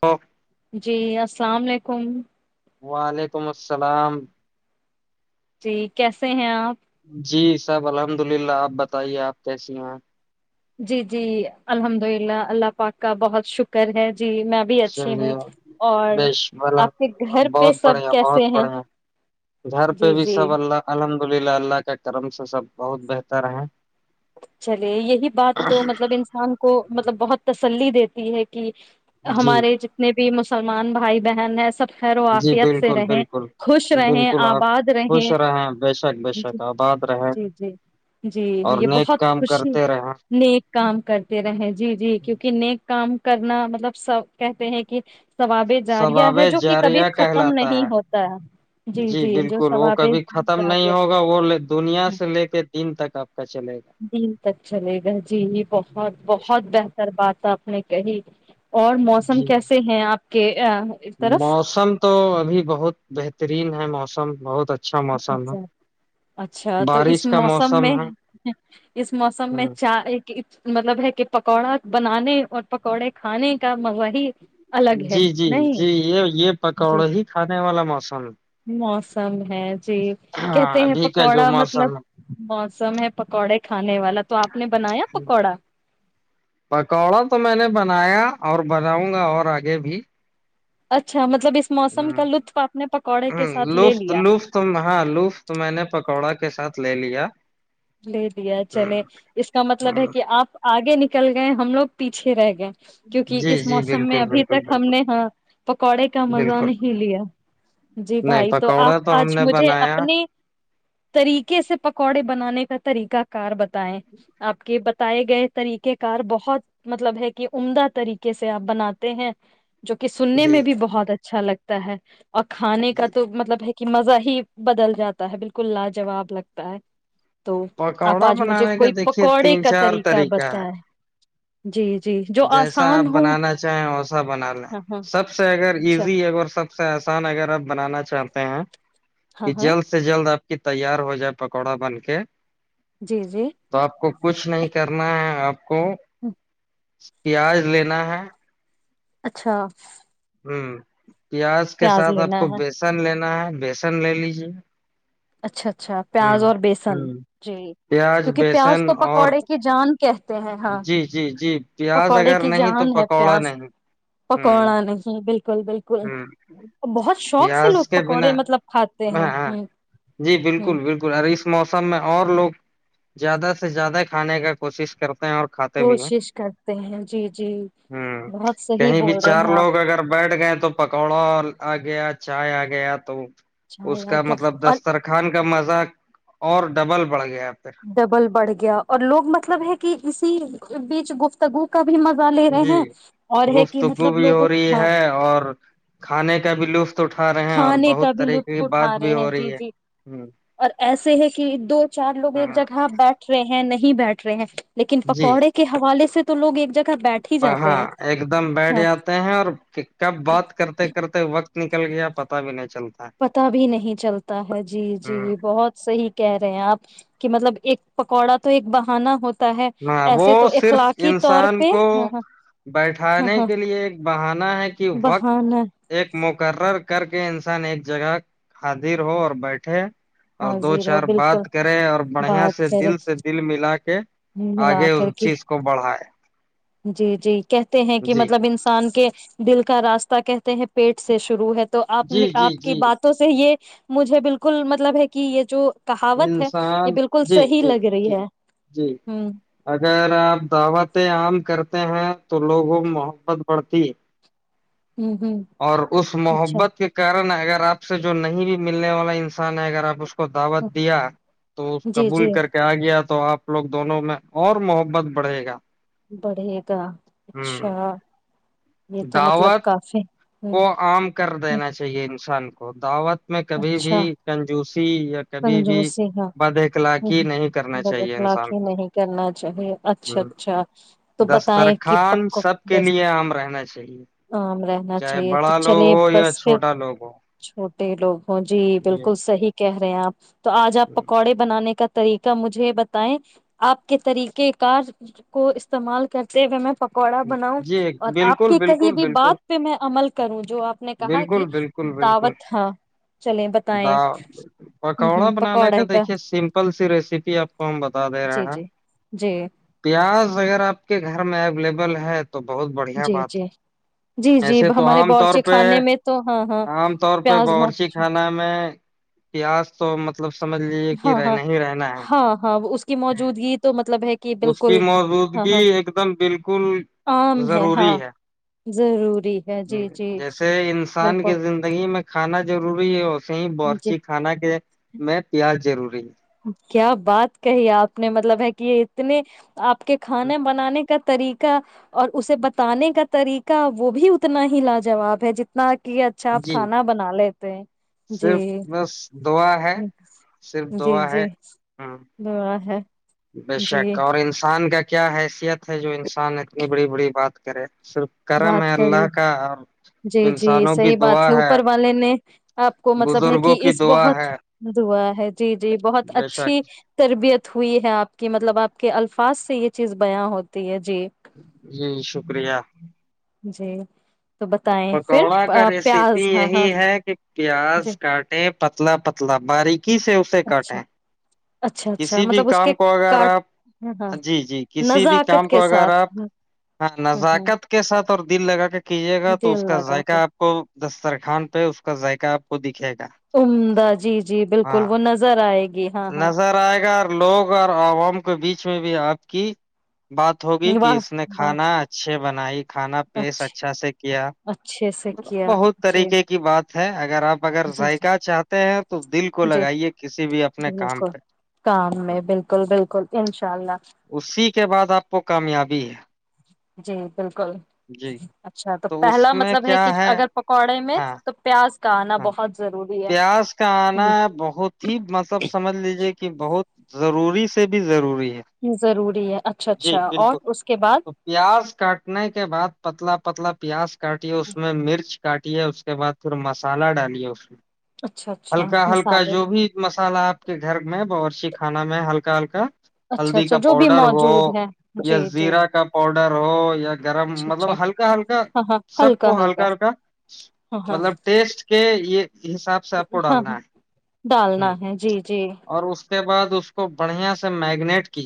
تو [unintelligible] جی السلام علیکم وعلیکم السلام جی کیسے ہیں آپ جی سب الحمد للہ آپ بتائیے آپ کیسی ہیں جی جی الحمد للہ اللہ پاک کا بہت شکر ہے جی میں بھی اچھی ہوں چلیے اور بیشم آپ کے گھر پہ بہت سب بڑھیا بہت کیسے ہیں بڑھیا گھر پہ جی بھی جی سب اللہ الحمد للہ اللہ کے کرم سے سب بہت بہتر ہیں چلیے یہی بات تو مطلب انسان کو مطلب بہت سلی دیتی ہے کہ جی ہمارے جتنے بھی بھی مسلمان بھائی بہن ہے سب خیر و جی آفیت سے بالکل رہیں بالکل خوش رہیں بالکل آپ آباد خوش رہیں بے شک بے ج شک آباد رہیں جی جی جی یہ بہت م خوشی کرتے رہ نیک کام کرتے رہے جی جی کیونکہ نیک کام کرنا مطلب سب کہتے ہیں کہ ثواب جاریہ سباب ہے جو کہ کبھی جاریا ختم کہلاتا نہیں ہے ہوتا جی بالکل وہ کبھی ختم نہیں جاریہ ہوگا وہ دنیا سے لے کے دن تک آپ کا چلے گا دن تک چلے گا جی بہت بہت بہتر بات آپ نے کہی اور موسم جی کیسے ہیں آپ کہ موسم تو ابھی بہت بہتر ترین ہے موسم بہت اچھا موسم ہے اچھا اچھا تو اس بارش کا موسم میں ہے اس موسم میں ہ چائے ایک مطلب ہے کہ پ پکوڑا بنانے اور پکوڑے کھانے کا مزہ ہی الگ ہے جی جی نہیں جی یہ یہ جی پکوڑا ہی کھانے والا موسم ہے۔ موسم ہیں جی ہاں کہتے ہیں ابھی کا جو پکوڑا مطلب موسم موسم ہے پکوڑے کھانے والا تو آپ نے بنایا ہے پکوڑا پکوڑا تو میں نے بنایا اور بناؤں گا اور آگے بھی اچھا مطلب اس ہ موسم کا لطف آپ نے پکوڑے ہ کے ساتھ لے لف لیا لطف ہاں لطف میں نے پکوڑا کے ساتھ لے لیا لے دیا ہ چلے اس کا مطلب ہے کہ آپ آگے نک نکل گئے ہم لوگ پیھے رہ گئے کیونکہ جی اس جی موسم میں بالکل ابھی بالکل تک ہم نے بالکل ہاں پکوڑے کا مزہ بالکل نہیں لیا جی نہیں بھائی تو آپ پکوڑا ہم آج نے مجھے بنایا اپنے طریقے سے پکوڑے بنانے طریق کار بتیں آپ کے ب پائے گئے طریقے کار بہت مطلب ہے کہ عمدہ طریقے سے آپ بناتے ہیں جو کہ سننے جی میں بھی بہت اچھا اچھا لگتا ہے اور کھانے کا تو مطلب ہے کہ مزہ ہی بدل جاتا ہے بالکل لاجاب لگتا ہے تو آپ پکوڑا آج مجھے بنانے کے کوئی دیکھیے پکوڑے تین کا چار طریقہ بتیں جی جی جو جیسا آپ آسان ہو بنانا چاہیں ویسا بنا لیں ہاں ہاں سب سے اگر اچھا ایزی اگر سب سب سے آسان اگر آپ بنانا چاہتے ہیں ہاں یہ ہاں جلد سے جلد آپ کہ تیار ہو جائے پکوڑا بن کے جی جی تو آپ کو کچھ نہیں کرنا ہے اب کو پیاز لینا ہے اچھا ہوں پیاز کے ساتھ آپ لینا کو ہے بیسن لینا ہے بیسن لے لیجیے اچھاچ اچھا پیاز ہوں اور بیسن ہوں جی پیاز کیونکہ پیاز بیسن تو اور پکوڑے کی جان کہتے ہیں ہاں جی جی جی پیاز پکوڑے اگر کی نہیں تو جان ہے پکوڑا پیاز نہیں ہوں پکوڑا نہیں بالکل بالکل ہوں بہت شوق سے لوگ پیاز کے پکوڑے بنا مطلب کھاتے ہاں ہیں ہاں ہ جی ہ بالکل بالکل اس موسم میں اور لوگ زیادہ سے زیادہ کھانے کا کوشش کرتے ہیں اور کھاتے بھی ہیں کوشش کرتے ہیں جی جی ہ بہت صحیح کہیں بھی بول رہے چار ہیں آپ لوگ اگر بیٹھ گئے تو پکوڑا آ گیا چائے آ گیا تو اچھا اس یار کا کیا مطلب اور دسترخان کا مزاق اور ڈبل بڑ گی ڈبل بڑھ گیا اور لوگ مطلب ہے کہ اسی بیچ گفتگو کا بھی مزہ لے رہے جی ہیں اور ہے کہ گفتگو مطلب بھی ہو لوگوں رہی ہاں ہے اور کھانے کا بھی لطف اٹھا رہے ہیں اور کھانے کا بہت بھی طریقے لطف کی اٹھا بات بھی رہے ہیں ہو جی رہی ہے جی ہ اور ایسے ہے کہ دو چار لوگ ایک ہاں جگہ بیٹھ رہے ہیں نہیں ہی بیٹھ رہے ہیں لیکن جی پکوڑے کے حوالے سے تووگ ایک جگ ہاں ایک دم بیٹھ جاتے ہیں اور کب بات کرتے کرتے وقت نکل گیا پتا بھی نہیں چلتا پتا بھی نہیں چلتا ہے جی جی بہت صحی کہہ رہے ہیں آپ کہ مطلب ایک پکوڑا تو ایک بہانا ہوتا ہے ہ وہ ایسے تو صرف اخلاقی طور انسان پہ کو ہاں ہاں ہاں بیٹھانے ہاں کے لیے ایک بہانا ہے کہ وقت بہانا ایک مقرر کر کے انسان ایک جگہ حادر ہو اور بیٹھے اور دو حاضر ہو چار بات بالکل کرے اور بڑھیا بات سے دل کریں سے دل ملا کے ملا آگے اس کر کے چیز کو بڑھا بائے جی جی کہتے ہیں کہ مطلب انسان کے دل کا راستہ کہتے ہیں پیٹ سے شروع ہے تو آپ نے جی جی آپ کی جی باتوں سے یہ مجھے بالکل مطلب ہے کہ یہ جو کہاوت ہے انسان یہ بالکل جی صحیح جی لگ رہی جی ہے جی ہوں اگر آپ دعوتیں عام کرتے ہیں تو لوگوں محبت بڑھتی ہوں ہوں اور اس اچھا محبت کے کارن اگر آپ سے جو نہیں بھی ملنے والا انسان ہے اگر آپ اس کو کو دعوت دیا تو اس جی قبول جی کر کے آ گیا تو آپ لوگ دونوں میں اور محبت بڑھے گا بڑھے گا ہوں اچھا یہ تو مطلب دعوت کافی ہ کو آم کر دینا چاہیے شان کو دعوت میں کبھی بھی اچھا کنجوس یا کبھی بھی کنجوسی ہاں بد ہوں اخلاقی ہوں، نہیں کرنا بد چاہیے انسان اخلاقی کو نہیں کرنا چاہیے ہ اچھا اچھا تو بتائیں کہ دسترخان پک سب کے دست لیے عام رہنا چاہیے نا چاہے چاہیے تو بڑا لوگ چلے ہو بس یا پھر چھوٹا لوگ ہو چھوٹے لوگ ہوں جی یہ بالکل صحیح رہ ہیں آپ تو آج آپ پکوڑے بنانے کا طریقہ مجھے بتائ آپ کے طریقہ کار کو استعمال کرتے ہوئے میں پکوڑا بناؤں جی اور آپ بالکل کی کہئی بالکل بھی بالکل بات پہ میں عمل کروں جو آپ نے کہا کہ بالکل بالکل بالکل دعوت ہاں چلیں بتائیں دا ہ پکوڑا ہ بنانے کا پکوڑے دیکھیے سمپل کل سی ریسیپی آپ کو بتا دے جی رہا جی جی پیاز اگر آپ کے گھر میں اوبل ل ہے تو بہت بڑھیا جی بات جی جی ہے جی ایسے تو ہمارے عام طور بورچے پہ کھانے میں تو ہاں ہاں عام طور پہ پیاز م باورچی خانہ میں پیاز تو مطلب سمجھ لیجیے کہ ہاں ہاں رہنا ہی رہنا ہاں ہاں اس کی ہے موجودگی تو مطلب ہے کہ اس کی بالکل ہاں موجودگی ہاں ایک دم بالکل عام ہاں ضروری ہے ضروری ہے جی جی جیسے انسان کی بالکل زندگی میں کانا ضروری ہے اور صی جی بورچی خھانا کے میں پیاز ضروری کیا بات کہی آپ نے مطلب ہے کہ یہ اتنی آپ کے ہے کھانے بنانے کا طریقہ اور اسے بتانے کا طریقہ وہ بھی اتنا ہی لا جوواب ہے جتنا کہ اچھا آپ جی کھانا بنا لیتے ہیں جی صرف بس دعا ہے ہ صرف جی دعا جی ہے ہاں ب ہے بے شک جی اور انسان کا کیا کیا حیثیت ہے جو انسان اتنی بڑی بڑی بات کرے صرف کرم ہے بات کر ل اللہ کا اور جی جی انسانوں کی صحیح بات دعا ہے اوپر والے نے آپ کو مطلب ہے کہ بزرگوں کی اس دعا بہت ہے دوا ہے جی جی بہت بے اچھی شک تربیت ہوئی ہے آپ کی مطلب آپ کے الفاظ سے یہ چیز بیاں ہوتی ہے جی جی شکریہ جی تو بتائیں پھر پکوڑا کا پیاز ریسیپی ہاں ہاں یہی ہے کہ پیاز جی کاٹیں پتلا پتلا باریک ک سے اسے اچھا کاٹیں اچھا اچھا کسی بھی مطلب اس کے کام کو اگر کاٹ آپ ہاں ہاں جی جی کسی بھی نزاکت کام کو کے اگر ساتھ آپ ہ ہ نزاکت کے ساتھ اور دل لگا کے کیجیے گا تو دل اس کا لگا ذائقہ کے آپ کو دسترخان پہ اس کا ذائقہ آپ کو دکھائے گا عمدہ جی جی بالکل وہ نظر آئے گی ہاں ہاں جائے گا لوگ اور عوام کے بیچ میں بھی آپ کی بات ہوگی کہ واہ اس نے کھانا بات اچھے بنائی کھانا پیش اچھے اچھا سے کیا اچھے سے کیا بہت جی طریقے کی بات ہاںگے [unintelligible] اگر آپ اگر جی جی ذائقہ چاہتے ہیں تو دل کو جی لگائیے کسی بھی جی اپنے کام بالکل پہ کام میں بالکل بالکل انشاء اللہ اسی کے بعد آپ کو کامیابی ہے جی [unintelligible] بالکل جی اچھا تو اس پہلا میں مطلب ہے کیا کہ اگر پکوڑے میں ہاں تو پیاز کا آنا ہاں بہت ضروری پیاس کا آنا ہے بہت ہی مطلب سمجھ لیجیے کہ کہ بہت ضروری سے بھی ضروری ضروری ہے اچھا جی اچھا اور بالکل اس کے بعد تو پیاز کاٹنے کے بعد پتلا پتلا پ پیاز [unintelligible] کاٹ ہے اس میں مرچ کاٹ ہے اس کے بعد پھر م سالڈ آ نہیں اش اچھا اچھا ہلکا ہلکا مسالے جو میں بھی مسالہ آپ کے گھر میں باورشی خانا میں ہلکا ہلکا اچھا ہلدی اچھا کا جو بھی پاؤڈر ہو موجود ہے یا جی جی زیرہ کا پاؤڈر ہو یا گرم اچھا مطلب اچھا ہلکا ہلکا سب کو ہلکا ہلکا ہاں ہاں مطلب ٹیسٹ کے یہ حساب سے آپ کو ہاں ڈالنا ہاں ہے ڈالنا ہوں ہے جی جی اور اس بڑھیا سے میگنیٹ ے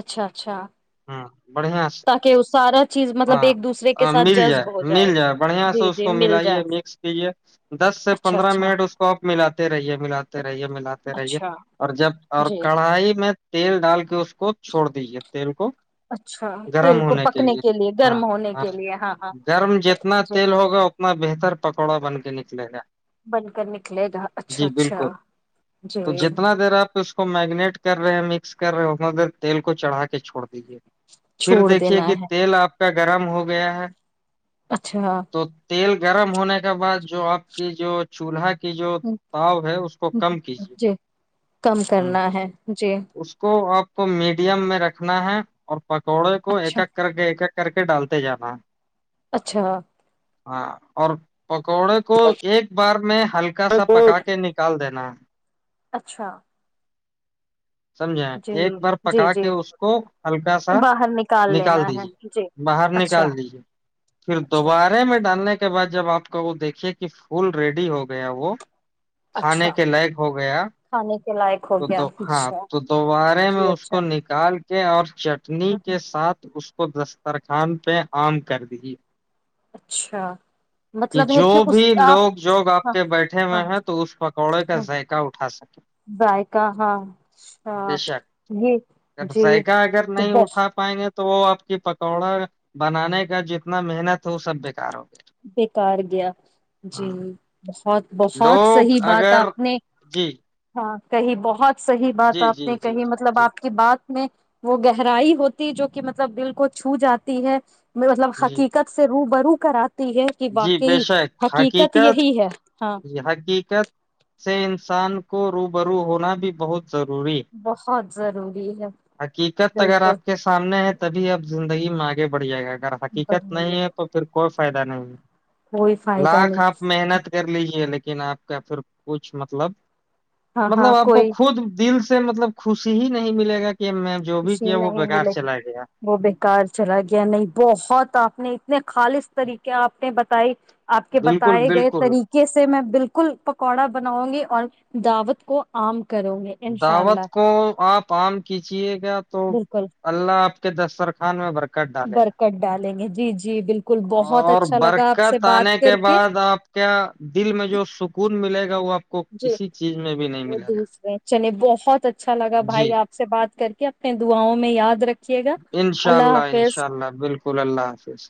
اچھا اچھا ہ بڑھیا سے تاکہ وہ سارا چیز مطلب ایک دوسرے کے ہاں ساتھ مل جائے جذب ہو مل جائے بڑھیا سے جی اس جی کو مل جائے ملاائیے مکس کیجے دس سے اچھا پندرہ اچھا منٹ اس کو آ ملا رہیے ملاتے رہیے ملاتے رہیے اچھا اور جب اور جی کڑھائی بھی میں تیل ڈال کے اس کو چھوڑ دیجیے تیل کو اچھا گرم تیل کو ہونے کے پکنے لیے ہاں گرم ہونے ہاں کے لیے ہاں گرم جتنا جی تیل ہوگا اتنا بہتر پکوڑا بن کے نکلے گا بن کر نکلے گا جی اچھا اچھا بالکل تو جی جتنا دیر آپ اس کو میگنیٹ کر رہے ہیں مکس کر دھر تیل کو چڑھا کے چھڑتا دیج پھر چھوڑ دیکھیے دینا کہ ہے تیل آپ کا گرم ہو گیا ہے اچھا تو تیل گرم ہونے کے بعد جو آپ کی جو چولہا کی جو تاؤ ہے اس کو کم کیجیے جی کم کرنا ہے جی تو میڈیم میں رکھنا ہے اور پکوڑے کو اچھا ایکک کر کے ایکک کر کے ڈالتے جانا اچھا ہاں اور پکوڑے کو ایک بار میں ہلکا سا پکا کے نکال دینا اچھا سمجھیں جی ایک بار جی پکا جی کے اس کو ہلکا سا باہر نکال لینا ہے دیجے جی باہر اچھا نکال دیجے پھر اچھا دوبارہ میں ڈالنے اس کے بعد جب آپ کا وہ دیکھیے کہ فول ریڈی ہو گیا وہ اچھا کھانے کے لگ ہو گیا کھانے کے لائق ہو تو گیا دو ہاں اچھا تو دوبارہ میں جی اس اچھا کو نکال کے کیا اور چٹنی کے ساتھ اس کو دسترخوان پہ عام کر دی اچھا کہ مطلب ہے جو اس بھی آپ لوگ جوگ آپ ہاں کے بیٹھے ہوئے ہاں ہیں تو اس پکوڑے کا ذائقہ اٹھا سکے کہ ہاں ہاں بے شک ج اگر جی ذائقہ اگر نہیں اٹھا پائیں گے تو وہ آپ کی پکوڑا بنانے کا جتنا محنت ہو سب بےیکار ہو بیکار گیا گیا جی بہت بہت لوگ صحیح بات اگر آپ نے جی ہاں کہی بہت صحی بات جی آپ جی نے جی کہی مطلب جی آپ کی بات میں وہ گہرائی ہوتی جو کہ مطلب دل کو چھو جاتی ہے میں مطلب جی حقیقت سے روب برو کرا ہے کہ جی باقی حقیقت یہی ہے ہاں یہ حقیقت سے انسان کو رو برو ہونا بھی بہت ضروری بہت ضروری ہے حقیقت اگر بالکل آپ کے سامنے ہے تبھی اب زندگی آگے بڑھ جائے گا ا حقیقت بڑھیا نہیں ہے تو پھر کو فائدہ نہیں کوئی فائدہ لاکھ نہیں آپ محنت کر لیکن آپ کا پھر کچھ مطلب ہاں مطلب ہاں آپ کو کوئی خود دل سے مطلب خوشی ہی نہیں ملے گا کہ میں جو بھی خوشی کیا وہ نہیں بیکار ملےی چلا گیا وہ بیکار چلا گیا نہیں بہت تو آپ نے اتنے خالص طریقے آپ نے بتائی آپ کے بالکل بتائے گئے بالکل طریقے سے میں بالکل پکوڑا بناؤ گے اور دعوت کو آم دعوت کو آپ پام کچیے گیا تو بالکل اللہ آپ کے دسترخوان میں برکت ڈالے گا برکت ڈالیں گے جی جی بالکل بہت اور اچھا لگا آپ سے برکت بات آنے کے کر بعد آپ کیا دل میں جو سکون ملے گا رہ ہو آپ آ کو کسی چیز میں بھی نہیں ملے گا اچ نے بہت اچ اچھا لگ بھائی جی آپ سے بات کر کے اپنے داں میں یاد رکھ انشاء اللہ انشاء اللہ بالکل اللہ حافظ